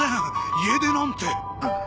家出なんて。